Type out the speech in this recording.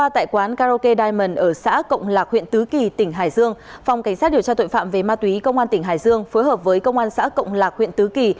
tại quán karaoke diamond ở xã cộng lạc huyện tứ kỳ tỉnh hải dương phòng cảnh sát điều tra tội phạm về ma túy công an tỉnh hải dương phối hợp với công an xã cộng lạc huyện tứ kỳ